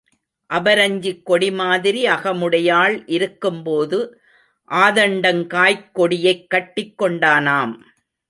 அபரஞ்சிக் கொடி மாதிரி அகமுடையாள் இருக்கும் போது ஆதண்டங்காய்க் கொடியைக் கட்டிக் கொண்டானாம்.